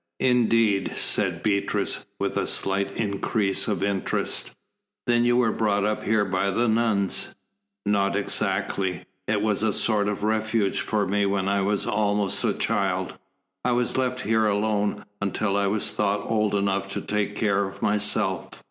"Indeed," said Beatrice, with a slight increase of interest. "Then you were brought up here by the nuns?" "Not exactly. It was a sort of refuge for me when I was almost a child. I was left here alone, until I was thought old enough to take care of myself."